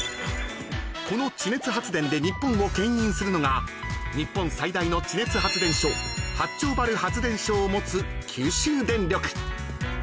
［この地熱発電で日本をけん引するのが日本最大の地熱発電所八丁原発電所を持つ九州電力］